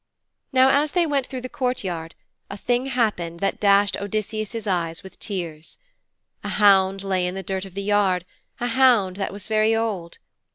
Now as they went through the courtyard a thing happened that dashed Odysseus' eyes with tears. A hound lay in the dirt of the yard, a hound that was very old.